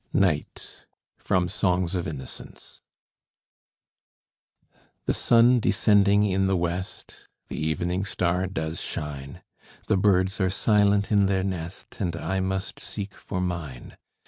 NIGHT From 'Songs of Innocence' The sun descending in the west, The evening star does shine, The birds are silent in their nest, And I must seek for mine.